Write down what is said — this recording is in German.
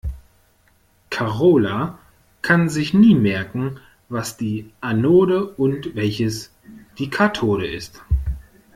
Karola kann sich nie merken, welches die Anode und welches die Kathode ist.